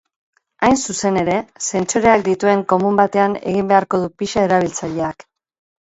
Hain zuzen ere, sentsoreak dituen komun batean egin beharko du pixa erabiltzaileak.